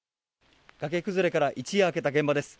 崖崩れから一夜明けた現場です。